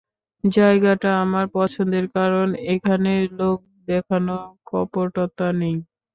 জায়গাটা আমার পছন্দের, কারণ এখানে লোকদেখানো কপটতা নেই।